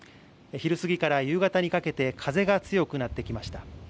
昼過ぎから夕方にかけて風が強くなってきました。